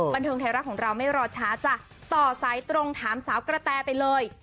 บันเทิงไทยรัฐของเราไม่รอช้าจ้ะต่อสายตรงถามสาวกระแตไปเลย